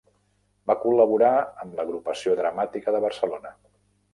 Va col·laborar amb l'Agrupació Dramàtica de Barcelona.